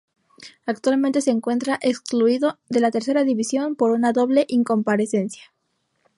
Actualmente se encuentra excluido de la Tercera División por una doble incomparecencia.